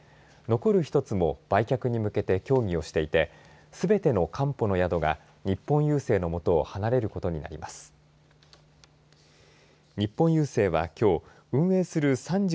残る１つも売却に向けて協議をしていてすべてのかんぽの宿が日本郵政のもとを離れることになります。